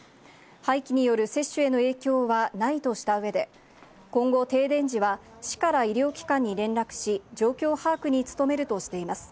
廃棄による接種への影響はないとしたうえで、今後、停電時は市から医療機関に連絡し、状況把握に努めるとしています。